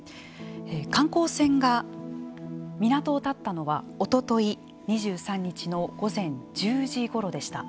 観光船が港をたったのはおととい２３日の午前１０時ごろでした。